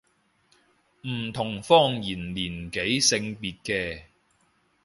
唔同方言年紀性別嘅